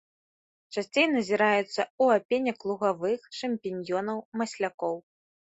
Часцей назіраюцца ў апенек лугавых, шампіньёнаў, маслякоў.